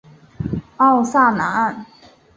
奥萨南岸。